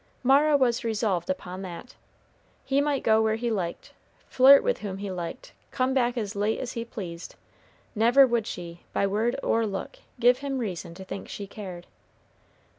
Mara was resolved upon that. He might go where he liked flirt with whom he liked come back as late as he pleased; never would she, by word or look, give him reason to think she cared.